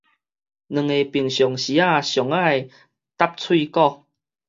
兩个平常時仔上愛答喙鼓